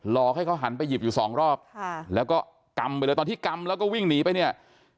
ให้เขาหันไปหยิบอยู่สองรอบแล้วก็กำไปเลยตอนที่กำแล้วก็วิ่งหนีไปเนี่ย